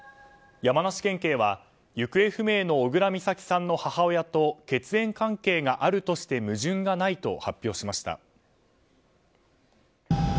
山梨県警は行方不明の小倉美咲さんの母親と血縁関係があるとして矛盾がないと発表しました。